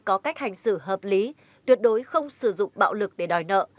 có cách hành xử hợp lý tuyệt đối không sử dụng bạo lực để đòi nợ